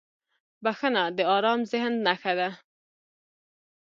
• بخښنه د آرام ذهن نښه ده.